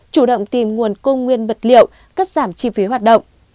chủ động tìm nguồn công nguyên vật liệu cất giảm chi phí hoạt động